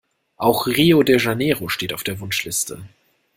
Auch Rio de Janeiro steht auf der Wunschliste.